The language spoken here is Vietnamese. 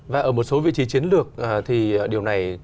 và ở một số vị trí chiến lược thì điều này